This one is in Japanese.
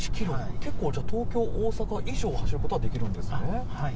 結構、じゃあ、東京・大阪以上走ることはできるんですね。